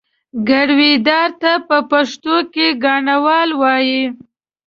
ګرويدار ته په پښتو کې ګاڼهوال وایي.